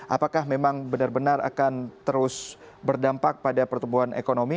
apakah memang benar benar akan terus berdampak pada pertumbuhan ekonomi